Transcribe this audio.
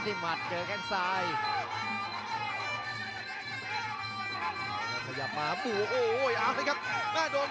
จังหวาดึงซ้ายตายังดีอยู่ครับเพชรมงคล